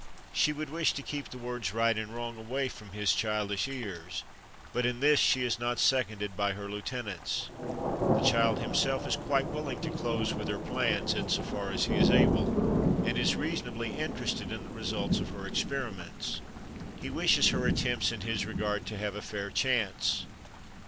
She would wish to keep the words "right" and "wrong" away from his childish ears, but in this she is not seconded by her lieutenants. The child himself is quite willing to close with her plans, in so far as he is able, and is reasonably interested in the results of her experiments. He wishes her attempts in his regard to have a fair chance.